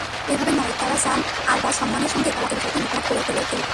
এভাবে নয়, তাঁরা চান আরবাজ সম্মানের সঙ্গে তালাকের বিষয়টি মিটমাট করে ফেলুক।